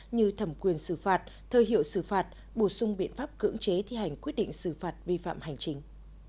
như thẩm quyền xử phạt thơ hiệu xử phạt bổ sung biện pháp cưỡng chế thi hành quyết định xử phạt vi phạm hành chính